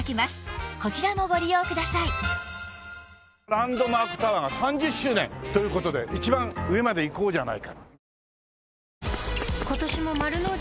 ランドマークタワーが３０周年という事で一番上まで行こうじゃないか。